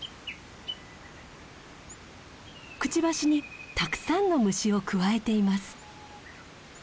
くちばしにたくさんの虫をくわえています。